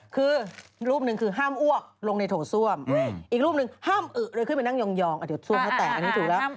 คือรูปหนึ่งคือห้ามอ้วกลงในโถส้วมอีกรูปหนึ่งห้ามอึเลยขึ้นไปนั่งยองเดี๋ยวซ่วมให้แตกอันนี้ถูกแล้ว